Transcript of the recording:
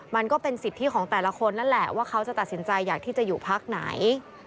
มันก็เป็นสิทธิของแต่ละคนนั่นแหละว่าเขาจะตัดสินใจอยากที่จะอยู่พักไหน